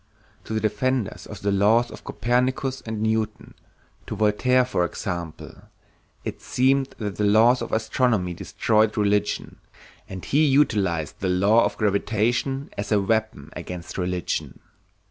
To the defenders of the laws of Copernicus and Newton, to Voltaire for example, it seemed that the laws of astronomy destroyed religion, and he utilized the law of gravitation as a weapon against religion.